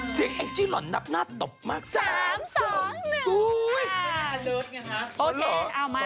เสียงสิ่งแองจิรวรรณ์นับน่าตบมากสามสองหนึ่งอุ๊ยโอเคเอามา